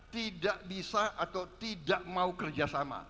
tidak bisa atau tidak mau kerjasama